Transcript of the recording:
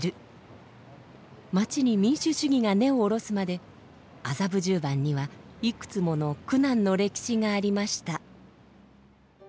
街に民主主義が根を下ろすまで麻布十番にはいくつもの苦難の歴史がありました。